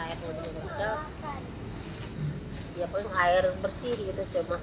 airnya sudah mudah